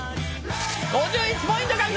５１ポイント獲得！